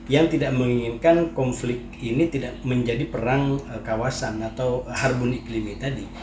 yang tidak menginginkan konflik ini tidak menjadi perang kawasan atau harbon iklimmit tadi